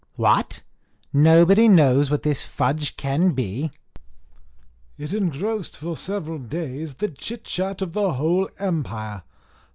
What! nobody knows what this fudge can be?" It engrossed for several days the chit chat of the whole empire.